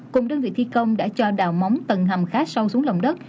cùng đơn vị thi công đã cho đào móng tầng hầm khá sâu xuống lồng đất